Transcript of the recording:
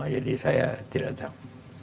jadi saya tidak datang